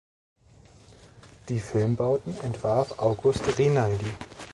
Die Filmbauten entwarf August Rinaldi.